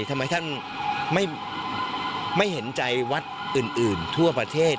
ทำไมท่านไม่เห็นใจวัดอื่นทั่วประเทศ